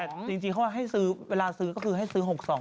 จริงจริงเขาว่าให้ซื้อเวลาซื้อก็คือให้ซื้อหกสอง